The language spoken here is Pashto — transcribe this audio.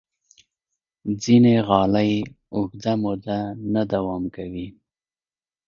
ځینې غالۍ اوږده موده نه دوام کوي.